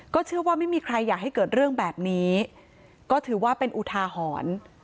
เชื่อว่าไม่มีใครอยากให้เกิดเรื่องแบบนี้ก็ถือว่าเป็นอุทาหรณ์